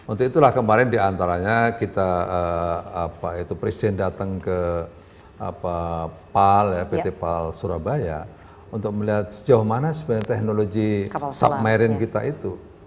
untuk itulah kemarin diantaranya kita presiden datang ke pt pal surabaya untuk melihat sejauh mana sebenarnya teknologi submarine kita itu